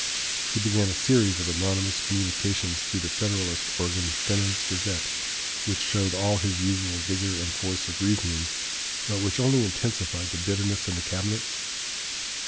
He began a series of anonymous communications through the Federalist organ, "Fenno's Gazette," which showed all his usual vigor and force of reasoning, but which only intensified the bitterness in the cabinet.